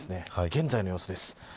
現在の様子です。